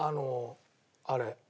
あれ。